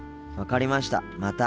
分かりました。